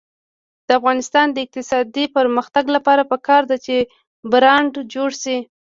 د افغانستان د اقتصادي پرمختګ لپاره پکار ده چې برانډ جوړ شي.